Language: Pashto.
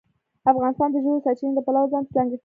افغانستان د ژورې سرچینې د پلوه ځانته ځانګړتیا لري.